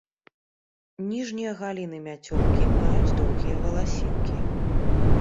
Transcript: Ніжнія галіны мяцёлкі маюць доўгія валасінкі.